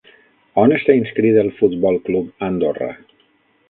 On està inscrit el Futbol Club Andorra?